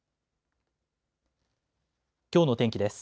きょうの天気です。